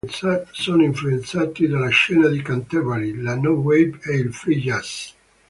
Sono influenzati dalla Scena di Canterbury, la No Wave e il free-jazz.